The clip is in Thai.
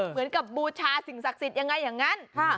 บูชาสิ่งศักดิ์สิทธิ์ยังไงอย่างนั้น